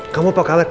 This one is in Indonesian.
kamu apa color baik